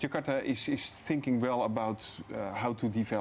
jakarta memikirkan cara pembangunan